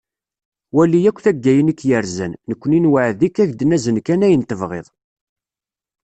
Wali akk taggayin i k-yerzan, nekkni newɛed-ik ak-d-nazen kan ayen tebɣiḍ.